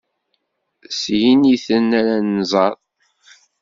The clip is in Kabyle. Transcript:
S yiniten ara nẓer.